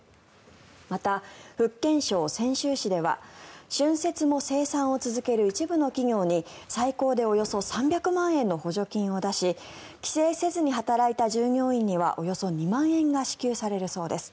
また、福建省泉州市では春節も生産を続ける一部の企業に最高でおよそ３００万円の補助金を出し帰省せずに働いた従業員にはおよそ２万円が支給されるそうです。